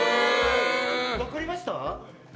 分かりました？